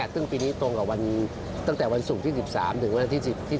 ถึงปีนี้ตรงความตั้งแต่วันศูนย์ที่๑๓๑๕เนี่ย